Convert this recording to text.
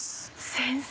先生！